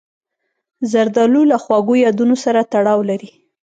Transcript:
زردالو له خواږو یادونو سره تړاو لري.